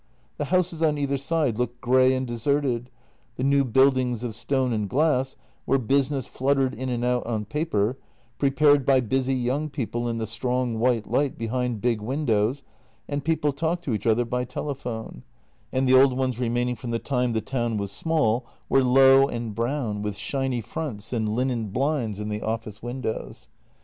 The houses on either side looked grey and deserted: the new buildings of stone and glass, where business fluttered in and out on paper, prepared by busy young people in the strong white light behind big windows, and people talked to each other by telephone — and the old ones remaining from the time the town was small were low and brown, with shiny fronts and linen blinds in the office windows.